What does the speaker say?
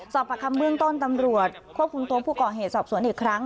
ประคำเบื้องต้นตำรวจควบคุมตัวผู้ก่อเหตุสอบสวนอีกครั้ง